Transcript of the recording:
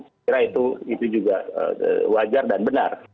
saya kira itu juga wajar dan benar